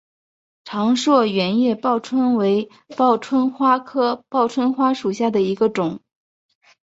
长蒴圆叶报春为报春花科报春花属下的一个种。